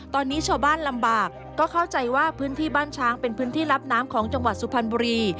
ตอนนี้ชาวบ้านลำบากก็เข้าใจว่าพื้นที่บ้านช้างเป็นพื้นที่รับน้ำของจังหวัดสุพรรณบุรี